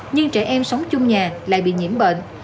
nhưng trẻ em sống chung nhà lại bị nhiễm bệnh